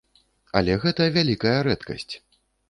Але гэта вялікая рэдкасць.